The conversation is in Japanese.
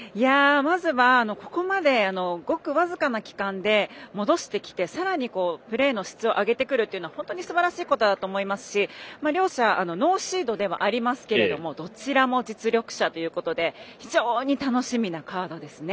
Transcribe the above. まずは、ここまでごく僅かな期間で戻してきて、さらにプレーの質を上げてくるというのは本当にすばらしいことだと思いますし両者、ノーシードではありますけどもどちらも実力者ということで非常に楽しみなカードですね。